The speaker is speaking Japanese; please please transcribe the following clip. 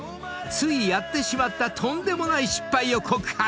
［ついやってしまったとんでもない失敗を告白！］